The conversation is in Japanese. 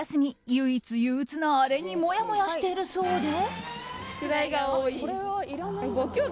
唯一、憂鬱なあれにもやもやしているそうで。